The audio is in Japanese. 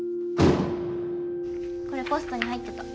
これポストに入ってた。